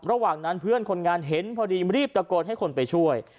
ระหว่างนั้นเพื่อนคนงานเห็นพอดีรีบตะโกนให้คนไปช่วย